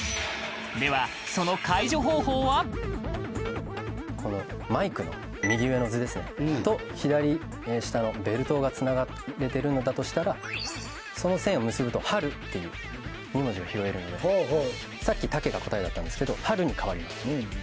では、その解除方法はこのマイクの右上の図ですねと、左下のベルトがつながれてるのだとしたらその線を結ぶと「ハル」っていう２文字が拾えるんでさっき「タケ」が答えだったんですけど「ハル」に変わります。